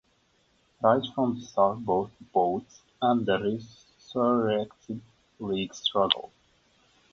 Right from the start both the "Boats" and the resurrected league struggled.